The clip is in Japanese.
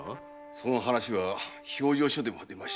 その話は評定所でも出ました。